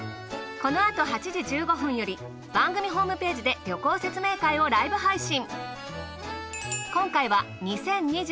このあと８時１５分より番組ホームページで旅行説明会をライブ配信。